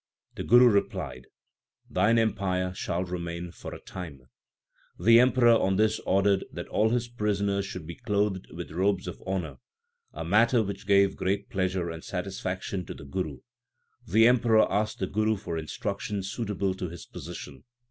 The Guru replied, Thine empire shall remain for a time. The Emperor on this ordered that all his prisoners should be clothed with robes of honour, a matter which gave great pleasure and satisfaction to the Guru. The Emperor asked the Guru for instruction suitable to his position.